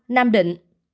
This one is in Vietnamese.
ba nam định